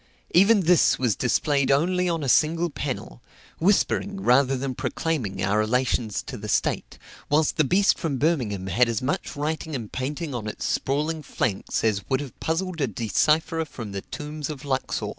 Even this was displayed only on a single panel, whispering, rather than proclaiming, our relations to the state; whilst the beast from Birmingham had as much writing and painting on its sprawling flanks as would have puzzled a decipherer from the tombs of Luxor.